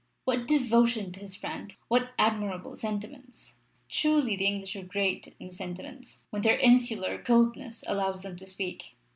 What devotion to his friend! What admirable sentiments! Truly, the English are great in sentiments when their insular coldness allows them to speak.